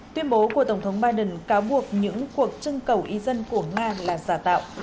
tuyên bố của tổng thống biden cáo buộc những cuộc trưng cầu ý dân của nga là giả tạo